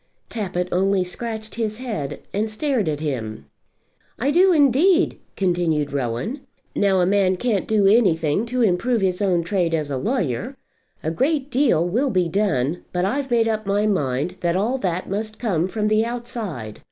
Tappitt only scratched his head, and stared at him. "I do indeed," continued Rowan. "Now a man can't do anything to improve his own trade as a lawyer. A great deal will be done; but I've made up my mind that all that must come from the outside.